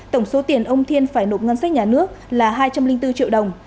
tổng số tiền ông thiên phải nộp ngân sách nhà nước là hai trăm linh bốn triệu đồng